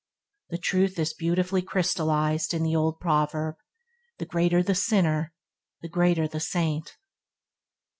This truth is beautifully crystallized in the old proverb, "The greater the sinner, the great the saint".